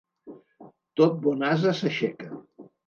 Tot bon ase s'aixeca.